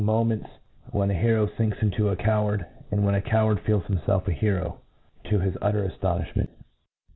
moments when a hero finks into a CQward, and when a coward feels himfelf a hero t o his utter, aftonifhment.